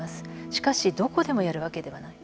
しかしどこでもやるわけではない。